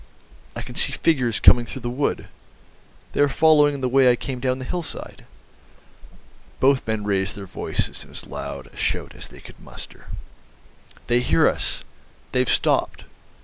"I can see figures coming through the wood. They are following in the way I came down the hillside." Both men raised their voices in as loud a shout as they could muster. "They hear us! They've stopped.